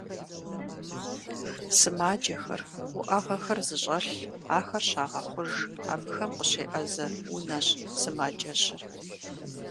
Сымаджэхэр, уӀэгъэхэр зыщӀэлъ, ахэр щагъэхъуж, абыхэм къыщеӀэзэ унэщ сымаджэщыр.